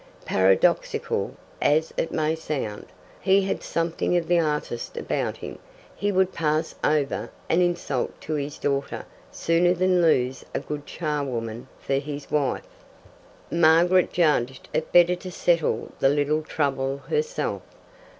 Paradoxical as it may sound, he had something of the artist about him; he would pass over an insult to his daughter sooner than lose a good charwoman for his wife. Margaret judged it better to settle the little trouble herself.